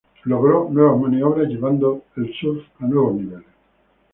Logro nuevas maniobras llevando al surf a nuevos niveles.